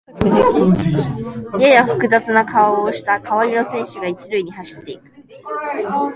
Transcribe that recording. やや複雑な顔をした代わりの選手が一塁に走っていく